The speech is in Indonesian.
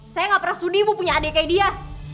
saya gak pernah sudi punya adek kayak dia